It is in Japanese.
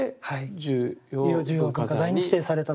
重要文化財に指定されたと思います。